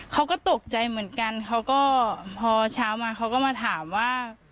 เขาก็ตกใจเหมือนกันเขาก็พอเช้ามาเขาก็มาถามว่า